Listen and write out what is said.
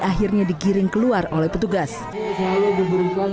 akhirnya digiring keluar oleh petugas berdasarkan pantauan masa simpatisan